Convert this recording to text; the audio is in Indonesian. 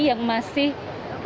yang masih memiliki